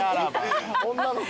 女の子。